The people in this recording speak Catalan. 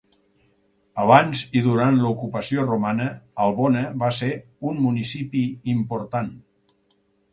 Abans i durant l'ocupació romana, Albona va ser un municipi important.